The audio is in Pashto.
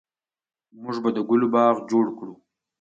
موږ به د ګلونو باغ جوړ کړو